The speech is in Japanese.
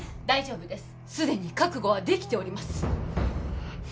大丈夫ですすでに覚悟はできております